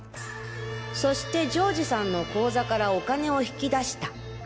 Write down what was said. そして丈治さんの口座からお金を引き出した。